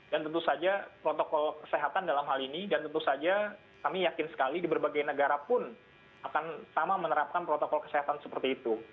dan tentu saja protokol kesehatan dalam hal ini dan tentu saja kami yakin sekali di berbagai negara pun akan sama menerapkan protokol kesehatan seperti itu